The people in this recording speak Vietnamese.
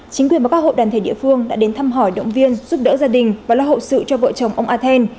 chính quyền và các hộ đàn thể địa phương đã đến thăm hỏi động viên giúp đỡ gia đình và lo hộ sự cho vợ chồng ông athen